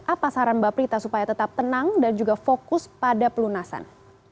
apa saran mbak prita supaya tetap tenang dan juga fokus pada pelunasan